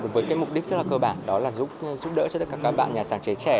với mục đích rất là cơ bản đó là giúp đỡ cho các bạn nhà sáng chế trẻ